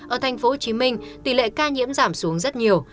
ở tp hcm tỷ lệ ca nhiễm giảm xuống rất nhiều